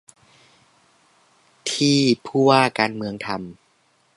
ที่ผู้ว่าการเมืองทำ